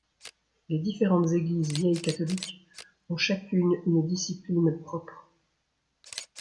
Les différentes Églises vieilles-catholiques ont chacune une discipline propre.